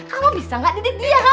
kamu bisa gak didik dia